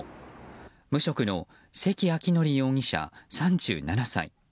無職の関明範容疑者、３７歳。